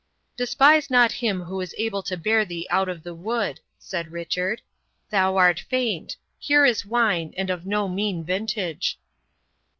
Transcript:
"Despise not him who is able to bear thee out of the wood," said Richard. "Thou art faint; here is wine, and of no mean vintage."